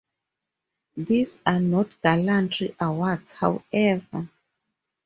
These are not gallantry awards, however.